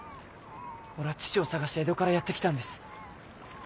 俺は父を探して江戸からやって来たんです。